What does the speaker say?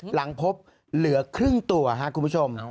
หลังพบเหลือครึ่งตัวครับคุณผู้ชม